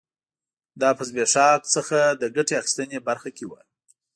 دا په زبېښاک څخه د ګټې اخیستنې برخه کې و